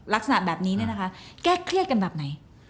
ลักษณะแบบนี้เนี่ยนะคะแก้เครียดกันแบบไหน